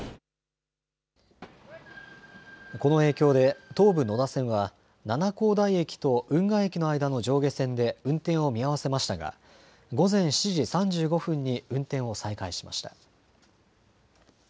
この影響で東武野田線は七光台駅と運河駅の間の上下線で運転を見合わせましたが午前７時３５分に運転を再開しました。